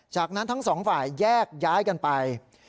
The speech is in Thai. จากนั้นทั้งสองฝ่ายแยกย้ายกันไป